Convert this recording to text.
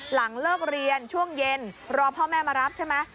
หลังเลิกเรียนช่วงเย็นรอพ่อแม่มารับใช่ไหม